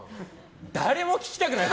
誰も聞きたくない！